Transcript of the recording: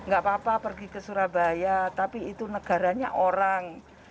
gak apa apa pergi ke surabaya tapi itu negaranya orang